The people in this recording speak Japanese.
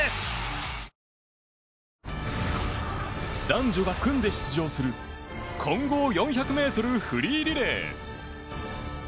男女が組んで出場する混合４００ｍフリーリレー。